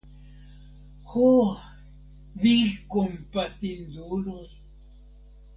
Ho, vi kompatinduloj!